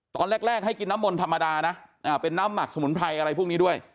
ตอนแรกให้กินน้ำมนต์ธรรมดานะเป็นน้ำหมักสมุนไพรอะไรพวกนี้ด้วย